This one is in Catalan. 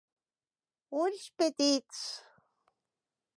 Ulls petits.